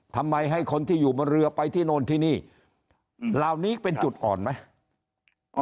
ทำไมให้คนที่อยู่บนเรือไปที่โน่นที่นี่เหล่านี้เป็นจุดอ่อนไหม